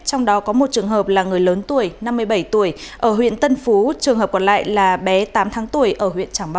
trong đó có một trường hợp là người lớn tuổi năm mươi bảy tuổi ở huyện tân phú trường hợp còn lại là bé tám tháng tuổi ở huyện trảng bà